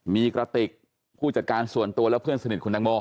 มีกระติกผู้จัดการส่วนตัวและเพื่อนสนิทคุณตังโม